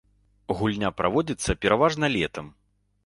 Гульня праводзіцца пераважна летам.